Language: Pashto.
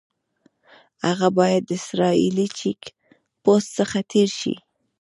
هغه باید د اسرائیلي چیک پوسټ څخه تېر شي.